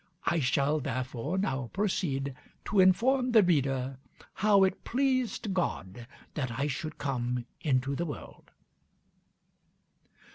I shall therefore now proceed to inform the reader how it pleased God that I should come into the world."